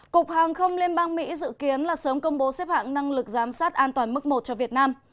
cục hàng không liên bang mỹ dự kiến là sớm công bố xếp hạng năng lực giám sát an toàn mức một cho việt nam